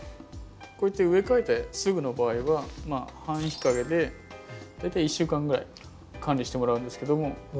こうやって植え替えてすぐの場合は半日陰で大体一週間ぐらい管理してもらうんですけども。